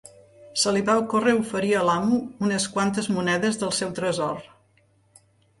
Se li va ocórrer oferir al amo unes quantes monedes del seu tresor